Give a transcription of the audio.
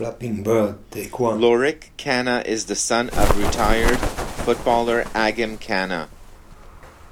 Lorik Cana is the son of retired footballer Agim Cana.